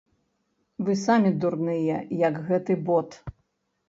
Вы самі дурныя, як гэты бот!